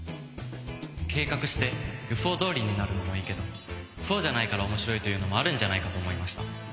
計画して予想どおりになるのもいいけどそうじゃないから面白いというのもあるんじゃないかと思いました。